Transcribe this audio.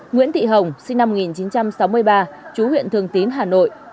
nguyễn thị hồng sinh năm một nghìn chín trăm sáu mươi ba chú huyện thường tín hà nội